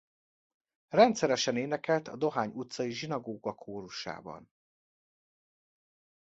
Rendszeresen énekelt a Dohány utcai zsinagóga kórusában.